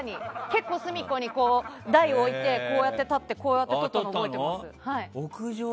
結構、隅っこに台を置いてこうやって立ってこうやって撮ったの覚えてます。